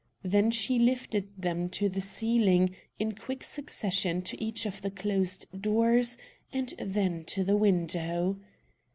Then she lifted them to the ceiling, in quick succession to each of the closed doors, and then to the window.